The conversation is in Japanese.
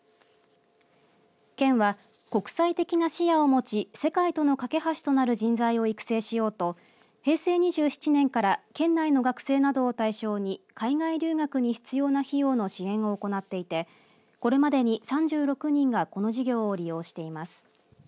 県は国際的な視野を持ち世界との懸け橋となる人材を育成しようと平成２７年から県内の学生などを対象に海外留学に必要な費用の支援を行っていてこれまでに３６人がこの事業を利用しています。